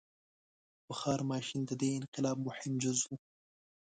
• بخار ماشین د دې انقلاب مهم جز و.